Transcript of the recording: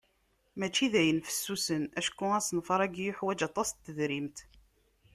Mačči d ayen fessusen acku asenfar-agi yeḥwaǧ aṭas n tedrimt.